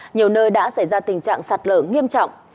nhiều nơi đã xảy ra tình trạng sạt lở nghiêm trọng